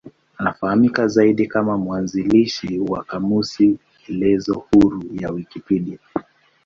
Anafahamika zaidi kama mwanzilishi wa kamusi elezo huru ya Wikipedia.